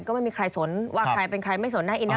ก็ไม่มีใครสนว่าใครเป็นใครไม่สน